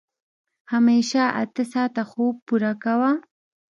همېشه اته ساعته خوب پوره کوه.